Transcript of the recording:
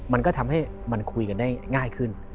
มันก็ทำให้มันคุยกันได้ง่ายขึ้น